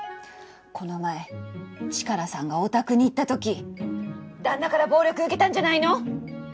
この前チカラさんがお宅に行った時旦那から暴力受けたんじゃないの？